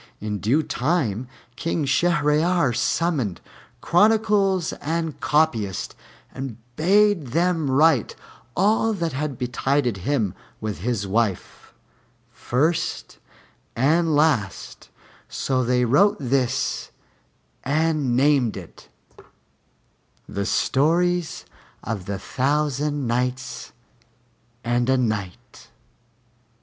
In due time King Shahryar summoned chronicles and copyists, and bade them write all that had betided him with his wife, first and last; so they wrote this and named it 'The Stories of the Thousand Nights and A Night.'